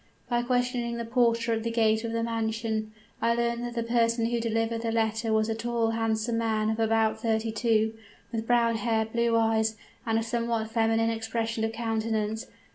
By questioning the porter at the gate of the mansion, I learnt that the person who delivered the letter was a tall, handsome man of about thirty two, with brown hair, blue eyes, and a somewhat feminine expression of countenance.